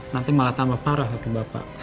nanti malah tambah parah satu bapak